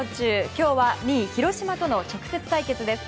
今日は２位広島との直接対決です。